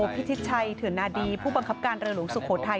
พี่ทิศชัยเถือนนาดีผู้บังคับการเรลุสุโขทัย